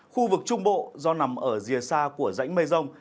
khu vực trung bộ do nằm ở rìa xa của rãnh mây rông